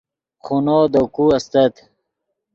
خونو دے کو استت